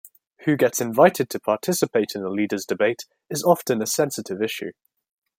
Who gets invited to participate in a leaders' debate is often a sensitive issue.